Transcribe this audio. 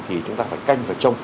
thì chúng ta phải canh phải trông